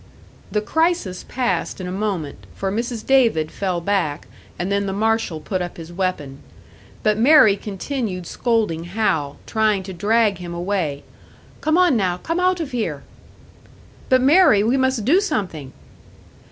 The crisis passed in a moment, for Mrs. David fell back, and then the marshal put up his weapon. But Mary continued scolding Hal, trying to drag him away. "Come on now! Come out of here!" "But, Mary! We must do something!"